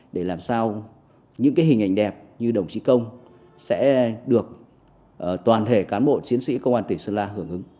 để làm sao những hình ảnh đẹp như đồng chí công sẽ được toàn thể cán bộ chiến sĩ công an tỉnh sơn la hưởng ứng